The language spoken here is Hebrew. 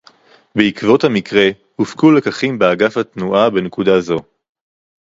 בעקבות המקרה הופקו לקחים באגף התנועה בנקודה זו